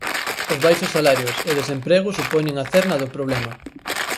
Os baixos salarios e o desemprego supoñen a cerna do problema.